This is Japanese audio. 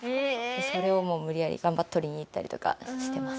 それをもう無理やり頑張って捕りにいったりとかしてます。